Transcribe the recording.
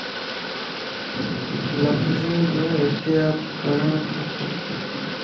لفظي جو احتياط ڪرڻ کپ